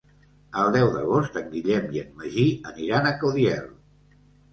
El deu d'agost en Guillem i en Magí aniran a Caudiel.